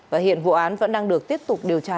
và hiện vụ án vẫn đang được tiếp tục điều tra